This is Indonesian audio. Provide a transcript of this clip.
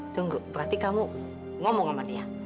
tunggu berarti kamu ngomong sama dia